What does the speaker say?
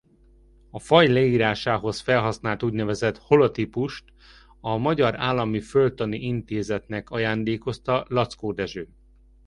A faj leírásához felhasznált úgynevezett holotípust a Magyar Állami Földtani Intézetnek ajándékozta Laczkó Dezső.